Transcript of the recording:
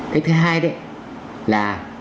cái thứ hai đấy là